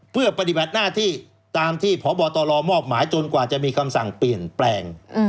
เพื่อปฏิบัติหน้าที่ตามที่พบตรมอบหมายจนกว่าจะมีคำสั่งเปลี่ยนแปลง